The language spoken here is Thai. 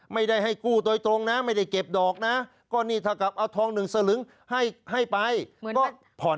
ไม่ได้ให้กู้โดยตรงนะไม่ได้เก็บดอกนะก็นี่ถ้ากับเอาทองหนึ่งสลึงให้ไปก็ผ่อน